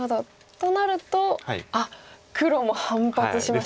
となるとあっ黒も反発しました。